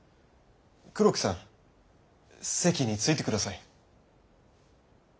黒木さん席について下さい。